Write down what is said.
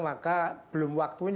maka belum waktunya